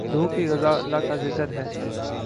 روح کی غذا اللہ کا ذکر ہے۔